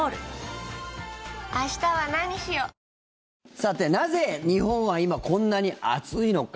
さて、なぜ日本は今こんなに暑いのか。